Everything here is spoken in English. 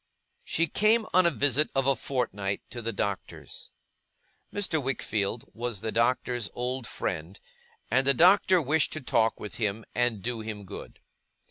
She came on a visit of a fortnight to the Doctor's. Mr. Wickfield was the Doctor's old friend, and the Doctor wished to talk with him, and do him good.